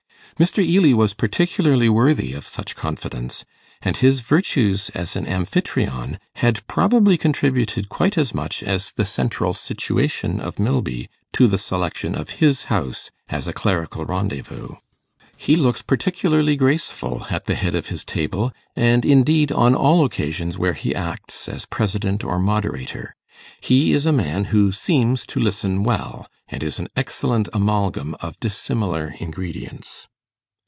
Mr. Ely was particularly worthy of such confidence, and his virtues as an Amphitryon had probably contributed quite as much as the central situation of Milby to the selection of his house as a clerical rendezvous. He looks particularly graceful at the head of his table, and, indeed, on all occasions where he acts as president or moderator: he is a man who seems to listen well, and is an excellent amalgam of dissimilar ingredients.